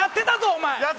お前！